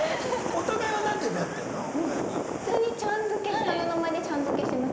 下の名前でちゃん付けしてます。